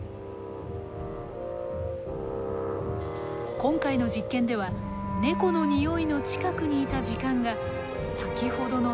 今回の実験ではネコのにおいの近くにいた時間が先ほどの３倍。